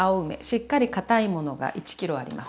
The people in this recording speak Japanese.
しっかり堅いものが１ｋｇあります。